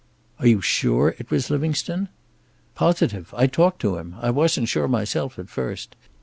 "Are you sure it was Livingstone?" "Positive. I talked to him. I wasn't sure myself, at first.